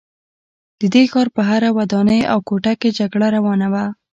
د دې ښار په هره ودانۍ او کوټه کې جګړه روانه وه